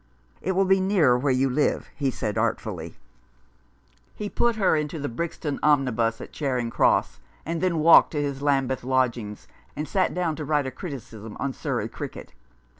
"It will be nearer where you live," he said artfully. He put her into a Brixton omnibus at Charing Cross, and then walked to his Lambeth lodging, and sat down to write a criticism on Surrey cricket.